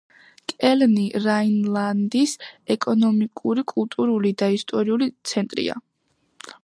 კელნი რაინლანდის ეკონომიკური, კულტურული და ისტორიული ცენტრია.